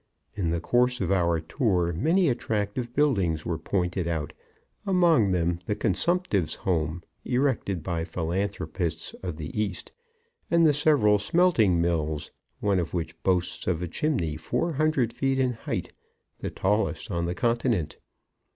In the course of our tour many attractive buildings were pointed out, among them the Consumptive's Home, erected by philanthropists of the East, and the several smelting mills, one of which boasts of a chimney four hundred feet in height, the tallest on the continent.